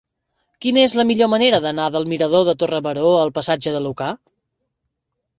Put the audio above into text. Quina és la millor manera d'anar del mirador de Torre Baró al passatge de Lucà?